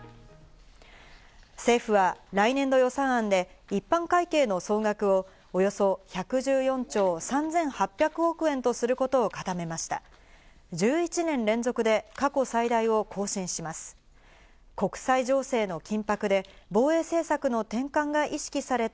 政府は来年度予算案で、一般会計の総額をおよそ１１４兆３８００億円とすることを固めました。